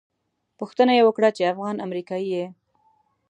پوښتنه یې وکړه چې افغان امریکایي یې.